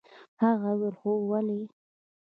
هغه وويل هو ولې.